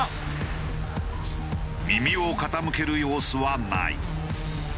耳を傾ける様子はない。